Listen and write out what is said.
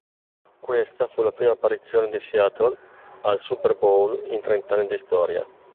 Questa fu la prima apparizione di Seattle al Super Bowl in trent'anni di storia.